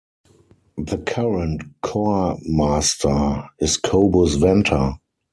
The current choir master is Kobus Venter.